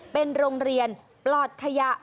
เป็นโรงเรียนปลอดขยะ